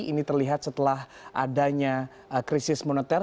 ini terlihat setelah adanya krisis moneter